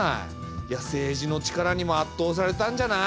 いや政治の力にもあっとうされたんじゃない？